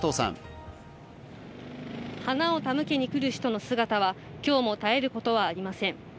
花を手向けに来る人の姿は今日も絶えることはありません。